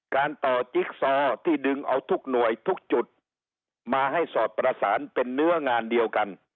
การต่อจิ๊กซอที่ดึงเอาทุกหน่วยทุกจุดมาให้สอดประสานเป็นเนื้องานเดียวกัน